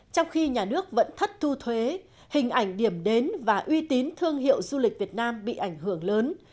trong khi nhà nước vẫn thất thu thuế hình ảnh điểm đến và uy tín thương hiệu du lịch việt nam bị ảnh hưởng lớn